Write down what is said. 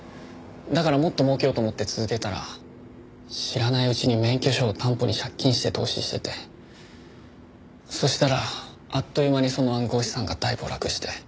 だからもっと儲けようと思って続けたら知らないうちに免許証を担保に借金して投資しててそしたらあっという間にその暗号資産が大暴落して。